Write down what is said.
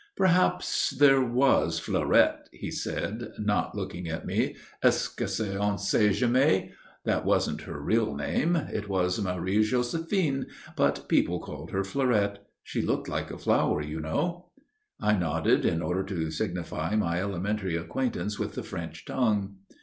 "Perhaps there was Fleurette," said he, not looking at me. "Est ce qu'on sait jamais? That wasn't her real name it was Marie Joséphine; but people called her Fleurette. She looked like a flower, you know." I nodded in order to signify my elementary acquaintance with the French tongue.